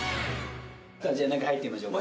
じゃあ中へ入ってみましょうか。